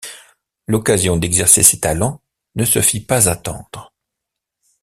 L'occasion d'exercer ses talents ne se fit pas attendre.